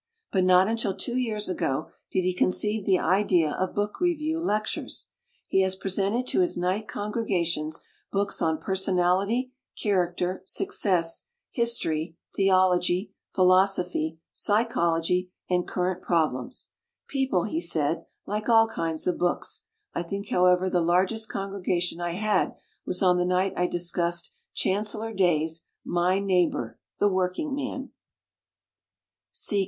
But not until two years ago did he conceive the idea of book review lectures. He has presented to his night congregations books on personality, character, success, history, the ology, philosophy, psychology, and current problems. "People", he said "like aU kinds of books. I think, however, the largest con gregation I had was on the night I discussed ChanceUor Day's 'My Neighbor, The Working Man'."